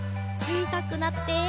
ちいさくなって。